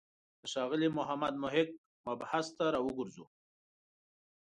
د ښاغلي محمد محق مبحث ته راوګرځو.